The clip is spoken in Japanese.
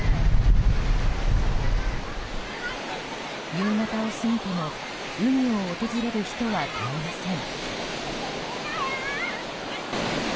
夕方を過ぎても海を訪れる人は絶えません。